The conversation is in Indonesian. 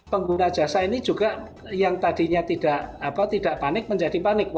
pengguna jasa ini juga yang tadinya tidak panik menjadi panik